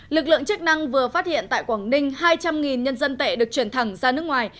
lực lượng chức năng vừa phát hiện tại quảng ninh hai trăm linh nhân dân tệ được chuyển thẳng ra nước ngoài